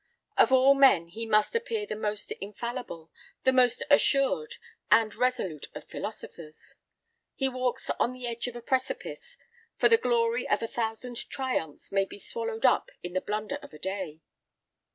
Of all men he must appear the most infallible, the most assured and resolute of philosophers. He walks on the edge of a precipice, for the glory of a thousand triumphs may be swallowed up in the blunder of a day.